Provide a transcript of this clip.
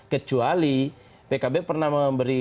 kecuali pkb pernah memberi